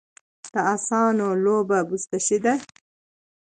د اسونو لوبه بزکشي ده